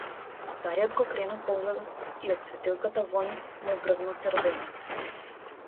Стариот го крена погледот и од светилката во нив му гргна црвенило.